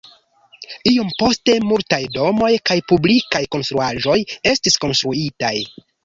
Iom poste multaj domoj kaj publikaj konstruaĵoj estis konstruitaj.